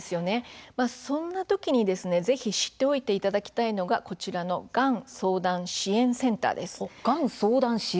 そんな時に、ぜひ知っておいていただきたいのがこちらのがん相談支援センターです。